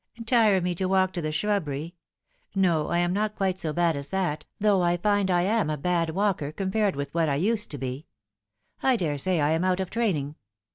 " Tire me to walk to the shrubbery ! No, I am not quite so bad as that, though I find I am a bad walker compared with what I used to be. I daresay I am out of training.